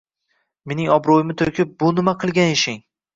Mening obro‘yimni to‘kib bu nima qilgan ishing